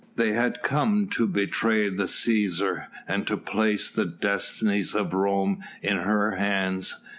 They had come to betray the Cæsar and to place the destinies of Rome in her hands.